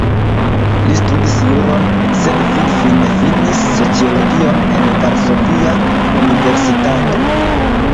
Li studis juron, sed finfine finis sociologion en Varsovia Universitato.